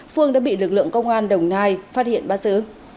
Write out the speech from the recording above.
phương đã bị lực lượng công an đồng nai phát hiện bắt giữ